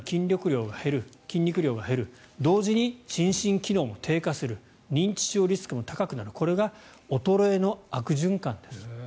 更に筋肉量が減る同時に心身機能も低下する認知症リスクも高くなるこれが衰えの悪循環です。